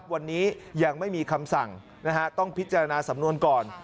วันนี้ยังไม่มีคำสั่งต้องพิจารณาสำนวนก่อน